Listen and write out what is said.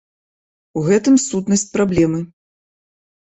У гэтым сутнасць праблемы.